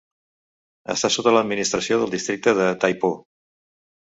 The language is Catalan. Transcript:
Està sota l'administració del districte de Tai Po.